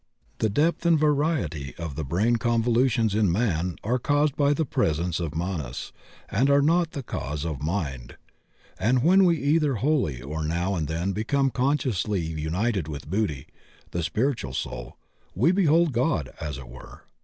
The depth and variety of the brain convolutions in man are caused by the presence of Manas, and are not the cause of mind. And when we either wholly or now and then become consciously united with Buddhi, the Spiritual Soul, we behold God, as it were.